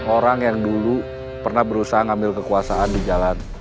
orang yang dulu pernah berusaha ngambil kekuasaan di jalan